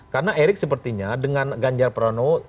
karena erick sepertinya dengan ganjar pranowo